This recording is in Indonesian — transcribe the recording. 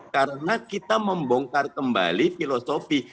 karena kita membongkar kembali filosofi